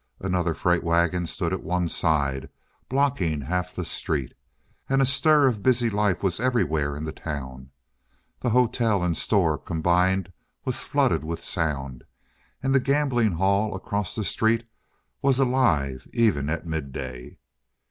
Another freight wagon stood at one side, blocking half the street. And a stir of busy life was everywhere in the town. The hotel and store combined was flooded with sound, and the gambling hall across the street was alive even at midday.